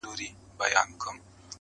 ګرفتاره په منګول د کورونا سو،